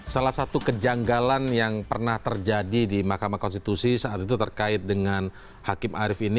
salah satu kejanggalan yang pernah terjadi di mahkamah konstitusi saat itu terkait dengan hakim arief ini